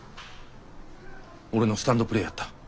俺のスタンドプレーやった。